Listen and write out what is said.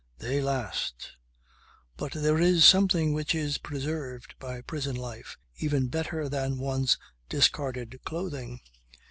They last! But there is something which is preserved by prison life even better than one's discarded clothing.